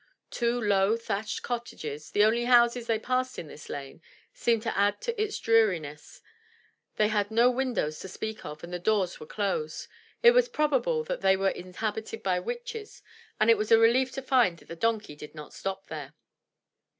Two low, thatched cottages — the only houses they passed in this lane — seemed to add to its dreariness; they had no windows to speak of, and the doors were closed; it was probable that they were in habited by witches, and it was a relief to find that the donkey did not stop there.